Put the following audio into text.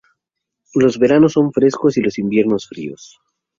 Los veranos son frescos y los inviernos fríos.